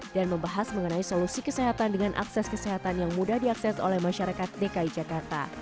dan membahas mengenai solusi kesehatan dengan akses kesehatan yang mudah diakses oleh masyarakat dki jakarta